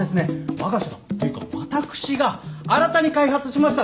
我が社のというか私が新たに開発しました